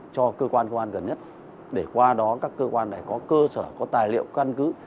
cho cơ quan gần nhất để qua đó các cơ quan có cơ sở có tài liệu căn cứ